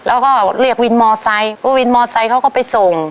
แล้วก็เรียกวินมอไซค์เพราะวินมอไซค์เขาก็ไปส่ง